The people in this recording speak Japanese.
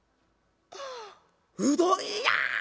うどん屋！